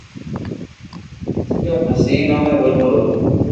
Hago música así no me vuelvo loco.